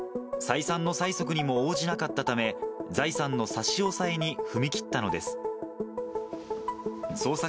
再三の催促にも応じなかったため、財産の差し押さえに踏み切ったのです。